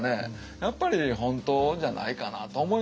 やっぱり本当じゃないかなと思いますよね。